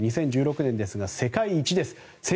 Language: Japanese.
２０１６年ですが世界一です。